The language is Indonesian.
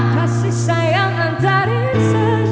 kasih sayangan tak dirisa di dunia